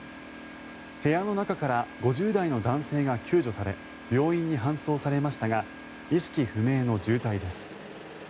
部屋の中から５０代の男性が救助され病院に搬送されましたが意識不明の重体です。